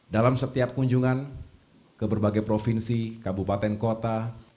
dalam setiap kunjungan ke berbagai provinsi kabupaten kota